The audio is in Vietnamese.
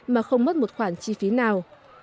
mà không mất một khoản chi phí nào